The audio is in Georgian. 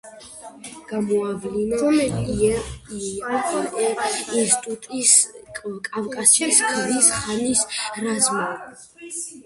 გამოავლინა იაე ინსტიტუტის კავკასიის ქვის ხანის რაზმმა.